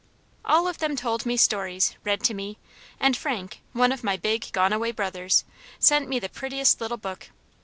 All of them told me stories, read to me, and Frank, one of my big gone away brothers, sent me the prettiest little book.